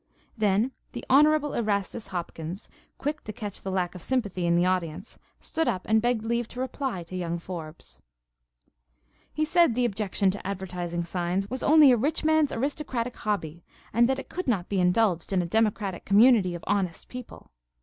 Then the Honorable Erastus Hopkins, quick to catch the lack of sympathy in the audience, stood up and begged leave to reply to young Forbes. He said the objection to advertising signs was only a rich man's aristocratic hobby, and that it could not be indulged in a democratic community of honest people.